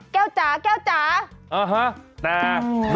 แก้วจ๋า